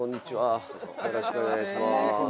よろしくお願いします。